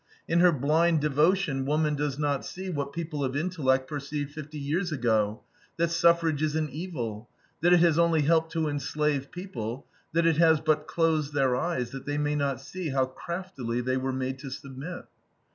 In her blind devotion woman does not see what people of intellect perceived fifty years ago: that suffrage is an evil, that it has only helped to enslave people, that it has but closed their eyes that they may not see how craftily they were made to submit.